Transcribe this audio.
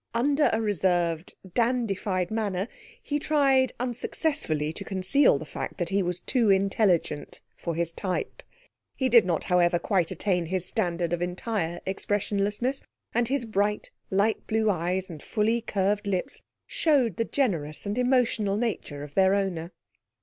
Under a reserved, dandified manner, he tried unsuccessfully to conceal the fact that he was too intelligent for his type. He did not, however, quite attain his standard of entire expressionlessness; and his bright, light blue eyes and fully curved lips showed the generous and emotional nature of their owner.